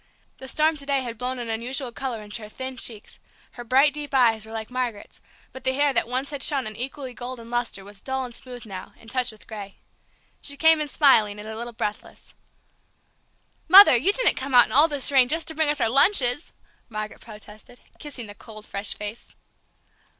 The storm to day had blown an unusual color into her thin cheeks, her bright, deep eyes were like Margaret's, but the hair that once had shown an equally golden lustre was dull and smooth now, and touched with gray. She came in smiling, and a little breathless. "Mother, you didn't come out in all this rain just to bring us our lunches!" Margaret protested, kissing the cold, fresh face.